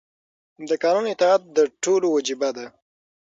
د قانون اطاعت د ټولو وجیبه ده.